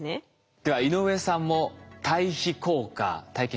では井上さんも対比効果体験してみましょう。